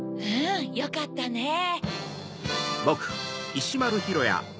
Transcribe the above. うんよかったね！